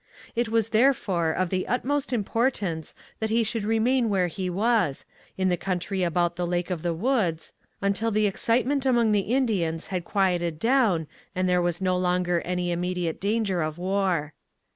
It was therefore of the utmost importance that he should remain where he was, in the country about the Lake of the Woods, until the excitement among the Indians had quieted down and there was no longer any immediate danger of war.